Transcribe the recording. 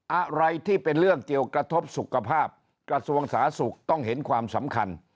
อะไรที่เป็นเรื่องเกี่ยวกระทบสุขภาพกระทรวงสาธารณสุขต้องเห็นความสำคัญ